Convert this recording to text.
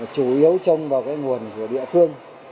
chủ yếu trông vào cái nguồn của địa phương